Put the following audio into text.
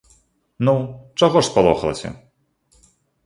Ну, чаго ж спалохалася?